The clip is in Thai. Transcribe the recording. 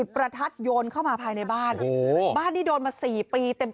ประทัดโยนเข้ามาภายในบ้านบ้านที่โดนมา๔ปีเต็ม